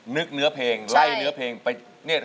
นึกเนื้อเพลงไล่เนื้อเพลงไปเนี่ย